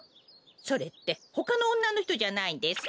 それってほかのおんなのひとじゃないんですか？